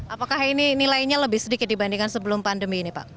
apakah ini nilainya lebih sedikit dibandingkan sebelum pandemi